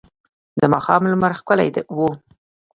د ماښام لمر ښکلی و.